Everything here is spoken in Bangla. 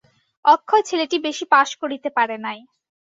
অক্ষয় ছেলেটি বেশি পাস করিতে পারে নাই।